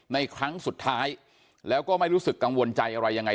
ครั้งสุดท้ายแล้วก็ไม่รู้สึกกังวลใจอะไรยังไง